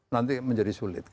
nanti menjadi sulit